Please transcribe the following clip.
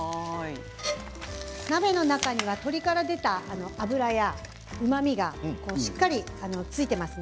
鍋の中には鶏から出た脂やうまみがしっかりと付いています。